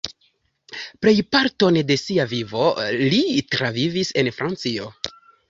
Plejparton de sia vivo li travivis en Francio.